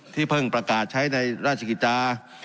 เพิ่งประกาศใช้ในราชกิจจา